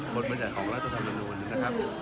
บรรยัติของรัฐธรรมนูลนะครับ